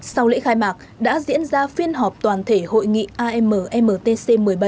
sau lễ khai mạc đã diễn ra phiên họp toàn thể hội nghị ammtc một mươi bảy